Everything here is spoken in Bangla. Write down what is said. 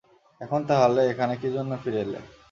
এখন তাহলে এখানে কীজন্য ফিরে এলে?